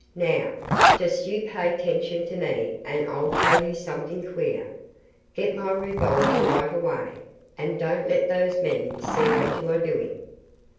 Now, just you pay 'tention to me and I'll tell you something queer. Get my revolver right away, and don't let those men see what you are doing."